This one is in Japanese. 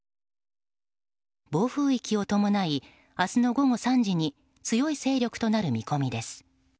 暴風域を伴い明日の午後３時に強い勢力となる見込みです。